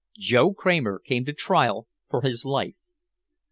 Joe Kramer came to trial for his life.